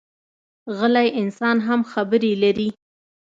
غلی انسان هم خبرې لري